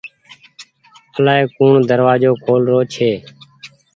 الآئي ڪوڻ دروآزو کول رو ڇي۔